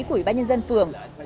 của ủy bác nhân dân phường